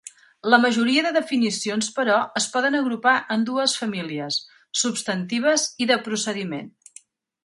La majoria de definicions, però, es poden agrupar en dues famílies: substantives i de procediment.